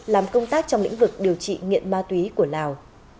làm công tác trong lĩnh vực điều trị nghiện ma túy của lào